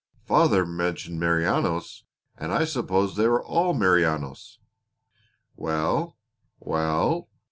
Father mentioned Merinos, and I supposed they were all Merinos." "Well! Well!